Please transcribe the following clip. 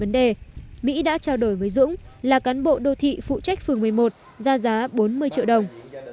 với vấn đề mỹ đã trao đổi với dũng là cán bộ đô thị phụ trách phường một mươi một ra giá bốn mươi triệu đồng